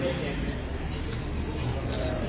ขอบคุณครับ